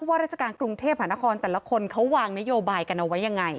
ว่าราชการกรุงเทพหานครแต่ละคนเขาวางนโยบายกันเอาไว้ยังไง